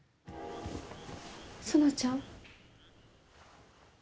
園ちゃん。